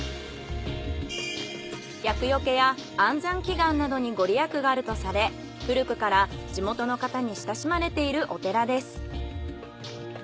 厄除や安産祈願などにご利益があるとされ古くから地元の方に親しまれているお寺です。